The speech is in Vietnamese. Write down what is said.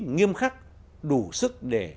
nghiêm khắc đủ sức để